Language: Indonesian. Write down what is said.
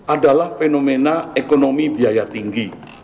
adalah fenomena ekonomi biaya tinggi